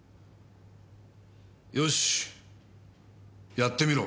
よしやってみろ。